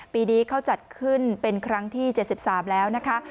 ปีนี้เขาจัดขึ้นเป็นครั้งที่๗๓แล้วนะคะ